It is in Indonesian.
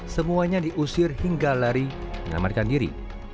semuanya diusir hingga lari menamarkan diri